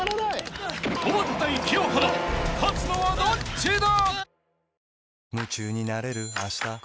［勝つのはどっちだ！？］